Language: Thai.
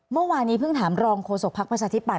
เมื่อวานี้เพิ่งถามรองโคศกพักประชาธิปัตย์